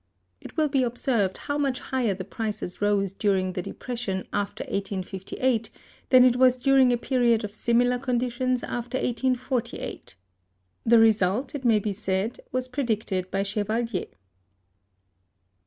It will be observed how much higher the prices rose during the depression after 1858 than it was during a period of similar conditions after 1848. The result, it may be said, was predicted by Chevalier.